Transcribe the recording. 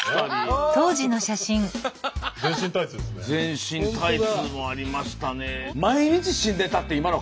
全身タイツもありましたね。